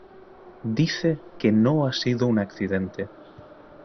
Dice que no ha sido un accidente.